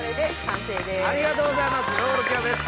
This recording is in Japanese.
ありがとうございます。